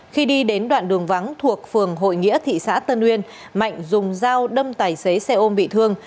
khi đi đến đoạn đường vắng thuộc phường hội nghĩa thị xã tân uyên mạnh dùng dao đâm tài xế xe ôm bị thương